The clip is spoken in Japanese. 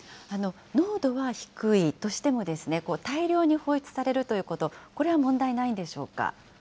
濃度は低いとしても、大量に放出されるということ、これは問題ないでしょうか。